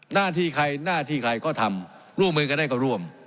หน้าที่ใครหน้าที่ใครก็ทำร่วมมือกันได้ก็ร่วม